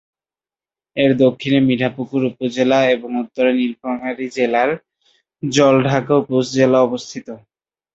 এর দক্ষিণে মিঠাপুকুর উপজেলা এবং উত্তরে নীলফামারী জেলার জলঢাকা উপজেলা অবস্থিত।